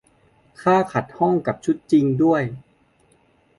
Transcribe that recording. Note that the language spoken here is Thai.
ค่าขัดห้องกับชุดจริงด้วย